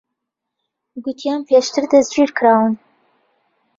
گوتیان پێشتر دەستگیر کراون.